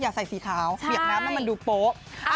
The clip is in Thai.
อย่าใส่สีขาวเปียกน้ำนั้นมันดูโป๊ะ